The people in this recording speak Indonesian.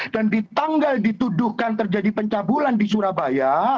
dan di tanggal dituduhkan terjadi pencabulan di surabaya